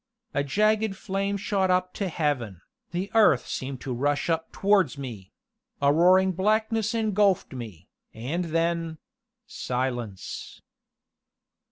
A jagged flame shot up to heaven the earth seemed to rush up towards me a roaring blackness engulfed me, and then silence.